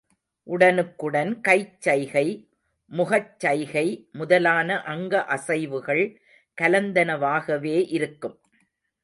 உடனுக்குடன் கைச் சைகை, முகச் சைகை முதலான அங்க அசைவுகள் கலந்தனவாகவே இருக்கும்.